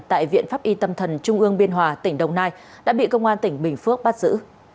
tại viện pháp y tâm thần trung ương biên hòa tỉnh đồng nai đã bị công an tỉnh bình phước bắt giữ